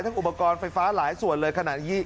อุปกรณ์ไฟฟ้าหลายส่วนเลยขณะนี้